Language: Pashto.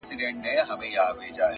لوړ هدفونه دوامداره انرژي غواړي’